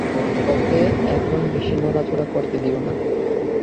ওকে এখন বেশি নড়াচড়া করতে দিও না।